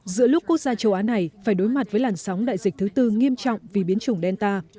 giữa lúc quốc gia châu á này phải đối mặt với làn sóng đại dịch thứ tư nghiêm trọng vì biến chủng delta